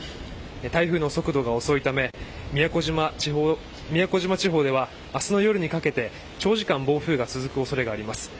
台風の速度が遅いため宮古島地方では明日の夜にかけて、長時間暴風雨が続く恐れがあります。